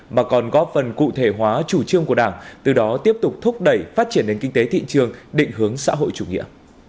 mà còn góp phần cụ thể hóa chủ trương của đảng từ đó tiếp tục thúc đẩy phát triển đến kinh tế thị trường định hướng xã hội chủ nghĩa